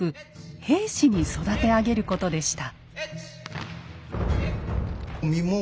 「兵士」に育て上げることでした。